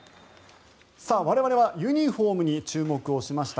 我々はユニホームに注目をしました。